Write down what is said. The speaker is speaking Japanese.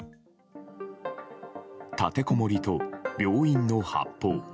立てこもりと病院の発砲。